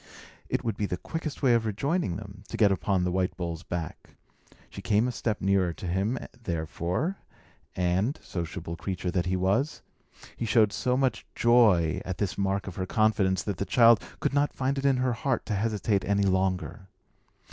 It would be the quickest way of rejoining them, to get upon the white bull's back. She came a step nearer to him, therefore; and sociable creature that he was he showed so much joy at this mark of her confidence, that the child could not find it in her heart to hesitate any longer.